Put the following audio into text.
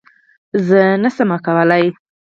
_نه شم کولای.